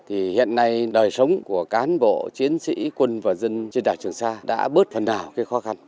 thì hiện nay đời sống của cán bộ chiến sĩ quân và dân trên đảo trường sa đã bớt phần nào cái khó khăn